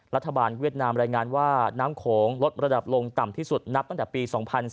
รัฐบาลเวียดนามรายงานว่าน้ำโขงลดระดับลงต่ำที่สุดนับตั้งแต่ปี๒๔